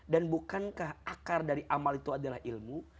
dan bukankah akar dari amal itu adalah ilmu